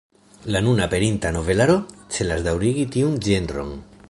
La nun aperinta novelaro celas daŭrigi tiun ĝenron.